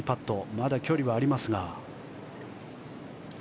まだ距離はありますが。